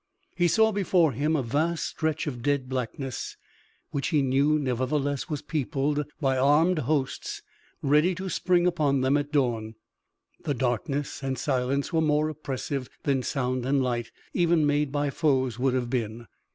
He saw before him a vast stretch of dead blackness which he knew nevertheless was peopled by armed hosts ready to spring upon them at dawn. The darkness and silence were more oppressive than sound and light, even made by foes, would have been.